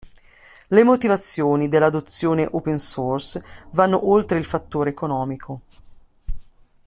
Le motivazioni dell'adozione open source vanno oltre il fattore economico.